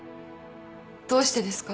どうしてですか？